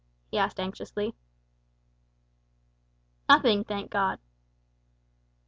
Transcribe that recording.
he asked anxiously. "Nothing, thank God."